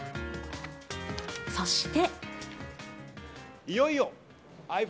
そして。